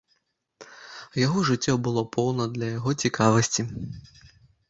Яго жыццё было поўна для яго цікавасці.